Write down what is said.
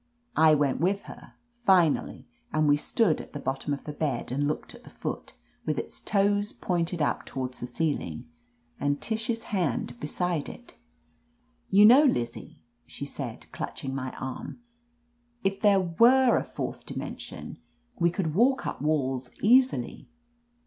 I went with her, finally, and we stood at the bottom of the bed and looked at the foot, with its toes pointed up toward the ceiling, and Tish's hand beside it. "You know, Lizzie," she said, clutching my arm, "if there were a fourth dimension, we could walk up walls easily."